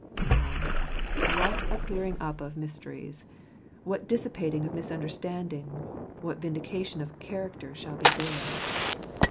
Ah ! what a clearing up of mysteries, what dissipating of misunderstandings, what vindication of character shall be there